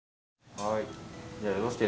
はい。